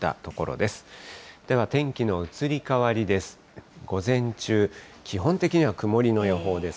では天気の移り変わりです。